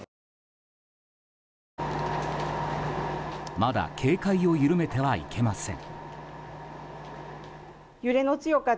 まだ警戒を緩めてはいけません。